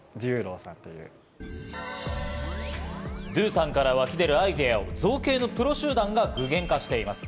ｄｏｏｏｏさんから湧き出るアイデアを造形のプロ集団が具現化しています。